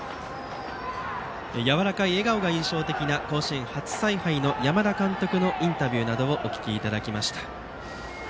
やわらかい笑顔が印象的な甲子園、初采配の山田監督のインタビューなどをお聞きいただきました。